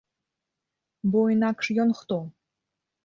Бо інакш ён хто?